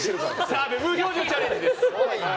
澤部無表情チャレンジです！